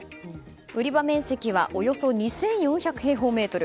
売り場面積はおよそ２４００平方メートル。